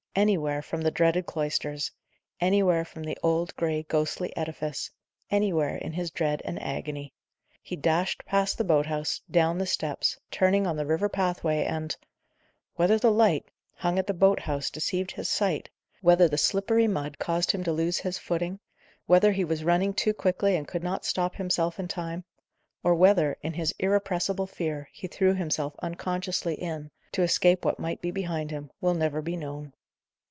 Anywhere from the dreaded cloisters; anywhere from the old, grey, ghostly edifice; anywhere in his dread and agony. He dashed past the boat house, down the steps, turning on to the river pathway, and Whether the light, hung at the boat house, deceived his sight whether the slippery mud caused him to lose his footing whether he was running too quickly and could not stop himself in time or whether, in his irrepressible fear, he threw himself unconsciously in, to escape what might be behind him, will never be known.